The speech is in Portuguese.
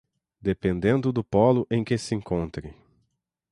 dependendo do polo em que se encontre.